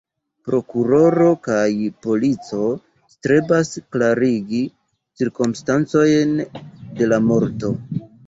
Prokuroro kaj polico strebas klarigi cirkonstancojn de la morto.